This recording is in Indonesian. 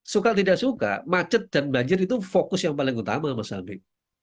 suka tidak suka macet dan banjir itu fokus yang paling utama mas albi